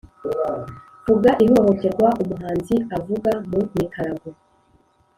vuga ihohoterwa umuhanzi avuga mu mikarago